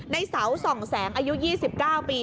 ในเสาส่องแสงอายุ๒๙ปี